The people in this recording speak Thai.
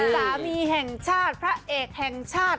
สามีแห่งชาติพระเอกแห่งชาติ